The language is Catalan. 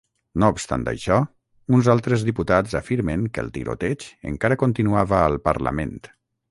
No obstant això, uns altres diputats afirmen que el tiroteig encara continuava al parlament.